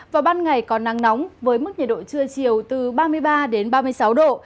vào ban ngày có nắng nóng với mức nhiệt độ trưa chiều từ ba mươi ba đến ba mươi sáu độ